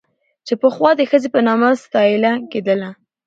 چې پخوا د ښځې په نامه ستايله کېدله